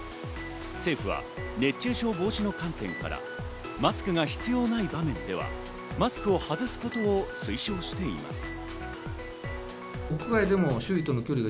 政府は熱中症防止の観点から、マスクが必要ない場面では、マスクを外すことを推奨しています。